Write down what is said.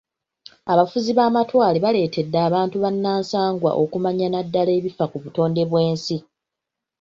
Abafuzi b'amatwale baleetedde abantu bannansangwa okumanya naddala ebifa ku butonde bw'ensi.